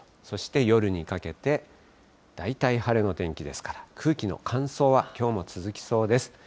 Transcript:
そして夜にかけて、大体晴れの天気ですから、空気の乾燥はきょうも続きそうです。